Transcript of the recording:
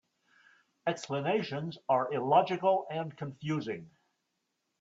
Explanations are illogical and confusing.